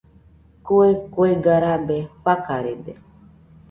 Kue kuega rabe rafarede.